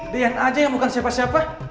dna aja yang bukan siapa siapa